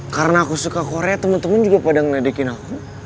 karena aku suka korea temen temen juga pada ngeledekin aku